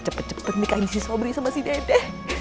si pak yang cepet cepet nikahin si sobri sama si dede